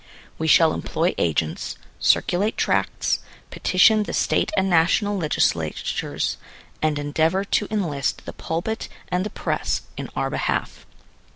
We shall employ agents, circulate tracts, petition the State and National legisla tures, and endeavor to enlist the pulpit and the press in our behalf.